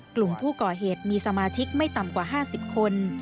กลุ่มผู้ก่อเหตุมีสมาชิกไม่ต่ำกว่า๕๐คน